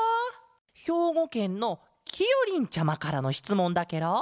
ひょうごけんのきよりんちゃまからのしつもんだケロ！